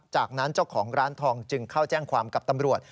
จากนั้นเจ้าของร้านทองจึงเข้าแจ้งความกับตำรวจ